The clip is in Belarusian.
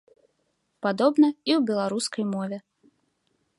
Падобна і ў беларускай мове.